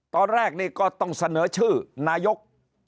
ตอนแรกนี่ก็ต้องเสนอชื่อนายก